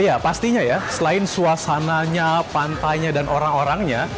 iya pastinya ya selain suasananya pantainya dan orang orangnya